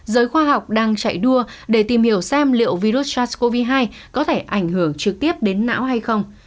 giới khoa học đang chạy đua để tìm hiểu xem liệu virus sars cov hai có thể ảnh hưởng trực tiếp đến não hay không